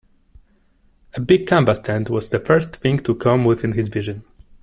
A big canvas tent was the first thing to come within his vision.